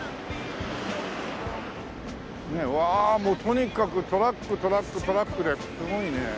わあもうとにかくトラックトラックトラックですごいね。